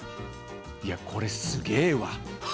いや、これすげえわ。